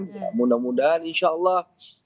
ya mudah mudahan insya allah